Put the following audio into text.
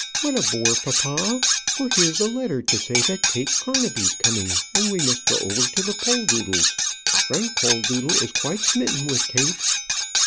"What a bore, papa; for here's a letter to say that Kate Carnabie's coming; and we must go over to the Poldoodles. Frank Poldoodle is quite smitten with Kate."